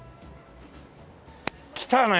来たね！